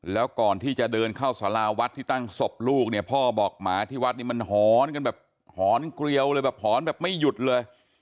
แล้วก่อนที่จะเดินเข้าสาราวัดที่ตั้งศพลูกเนี่ยพ่อบอกหมาที่วัดนี่มันหอนกันแบบหอนเกลียวเลยแบบหอนแบบไม่หยุดเลย